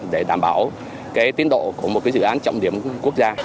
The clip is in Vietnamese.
để đảm bảo tiến độ của một dự án trọng điểm quốc gia